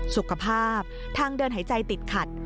สุขภาพทางเดินหายใจติดขัด